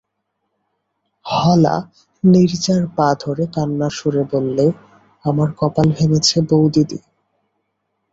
হলা নীরজার পা ধরে কান্নার সুরে বললে, আমার কপাল ভেঙেছে বউদিদি।